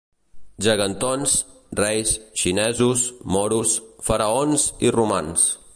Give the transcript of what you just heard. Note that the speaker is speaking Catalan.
Gegantons, Reis, Xinesos, Moros, Faraons i Romans.